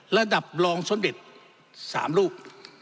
และดับลองสมเด็จสามรูป